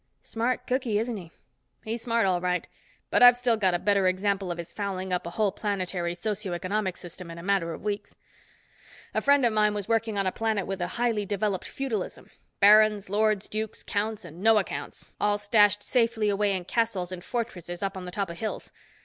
"Smart cooky, isn't he?" "He's smart all right. But I've got a still better example of his fouling up a whole planetary socio economic system in a matter of weeks. A friend of mine was working on a planet with a highly developed feudalism. Barons, lords, dukes, counts and no accounts, all stashed safely away in castles and fortresses up on the top of hills.